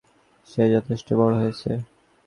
সে যথেষ্ট বড় হয়েছে।